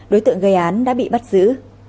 đối tượng gây án đã bị bắt giữ